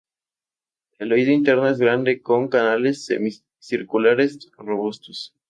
El oído interno es grande con canales semicirculares robustos.